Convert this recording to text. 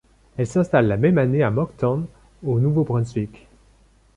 Elle s'installe la même année à Moncton, au Nouveau-Brunswick.